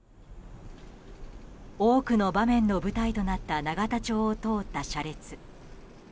多くの場面の舞台となった永田町を通った車列。